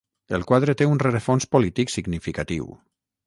El quadre té un rerefons polític significatiu.